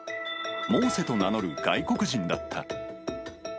モーセと名乗る外国人だった。